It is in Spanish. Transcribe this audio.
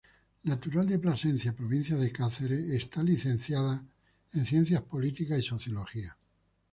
Natural de Plasencia, provincia de Cáceres, es licenciada en Ciencias Políticas y Sociología.